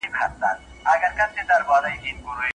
زه ځم خو لا تللی نه يم .